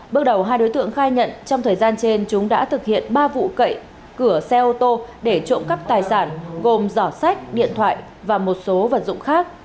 bước đầu hai đối tượng khai nhận trong thời gian trên chúng đã thực hiện ba vụ cậy cửa xe ô tô để trộm cắp tài sản gồm giỏ sách điện thoại và một số vật dụng khác